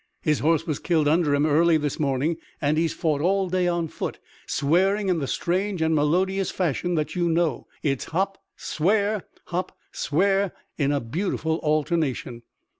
His horse was killed under him early this morning, and he's fought all day on foot, swearing in the strange and melodious fashion that you know. It's hop! swear! hop! swear! in beautiful alternation!"